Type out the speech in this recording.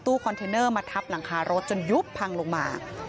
คอนเทนเนอร์มาทับหลังคารถจนยุบพังลงมา